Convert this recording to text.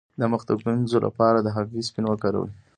د مخ د ګونځو لپاره د هګۍ سپین وکاروئ